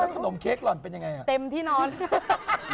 แล้วขนมเค้กล่อนเป็นยังไง